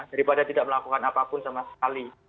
daripada tidak melakukan apapun sama sekali